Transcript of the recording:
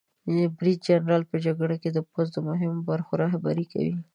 برید جنرال په جګړه کې د پوځ د مهمو برخو رهبري کوي.